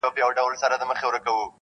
• زه د هغه ښار لیدلو ته یم تږی -